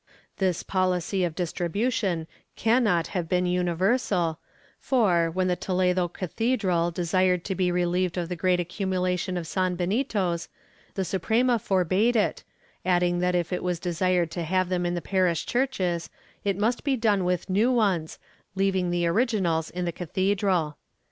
^ This policy of distribution cannot have been universal for, when the Toledo cathedral desired to be reheved of the great accumulation of sanbenitos, the Suprema forbade it, adding that if it was desired to have them in the parish churches it must be done with new ones, leaving the originals in the cathedral.